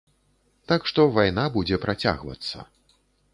Так што, вайна будзе працягвацца.